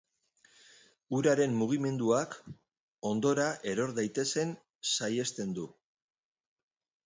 Uraren mugimenduak hondora eror daitezen saihesten du.